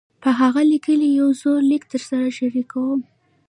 پۀ هغه ليکلے يو زوړ ليک درسره شريکووم -